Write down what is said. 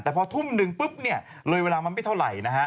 แต่พอทุ่ม๑เลยเวลามันไม่เท่าไหร่